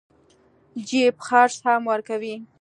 جيب خرڅ هم ورکوي.